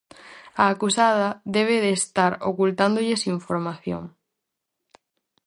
A acusada debe de estar ocultándolles información.